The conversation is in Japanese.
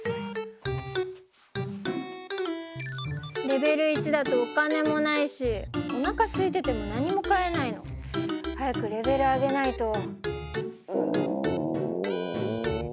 レベル１だとお金もないしおなかすいてても何も買えないの。早くレベル上げないと。